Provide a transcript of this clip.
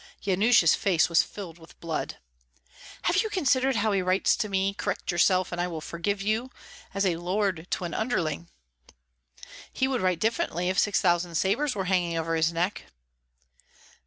Yanush's face was filled with blood. "Have you considered how he writes to me: 'Correct yourself, and I will forgive you,' as a lord to an underling." "He would write differently if six thousand sabres were hanging over his neck."